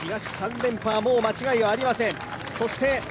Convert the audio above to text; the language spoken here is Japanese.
東３連覇は、もう間違いありません。